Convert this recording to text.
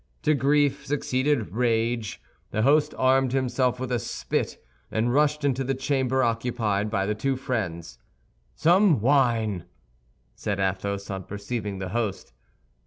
To grief succeeded rage. The host armed himself with a spit, and rushed into the chamber occupied by the two friends. "Some wine!" said Athos, on perceiving the host.